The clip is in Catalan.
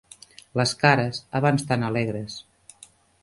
Les cares, abans tant alegres